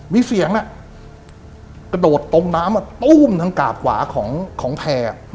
มีเสียงน่ะกระโดดตรงน้ำอ่ะตุ้มทางกากหวาของของแพร่อ่า